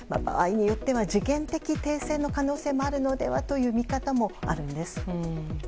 場合によっては時限的停戦の可能性もあるのではという見方もあるんです。